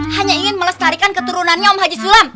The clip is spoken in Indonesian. hanya ingin melestarikan keturunannya om haji sulam